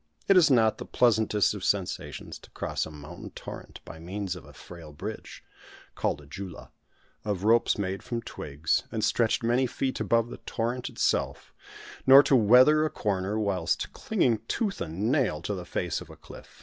It is not the pleasantest of sensations to cross a mountain torrent by means of a frail bridge (called a jhula) of ropes made from twigs, and stretched many feet above the torrent itself, nor to "weather" a corner, whilst clinging tooth and nail to the face of a cliff.